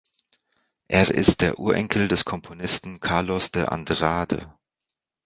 Er ist der Ururenkel des Komponisten Carlos de Andrade.